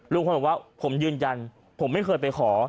คนบอกว่าผมยืนยันผมไม่เคยไปขอ